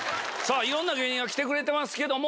いろんな芸人が来てくれてますけども。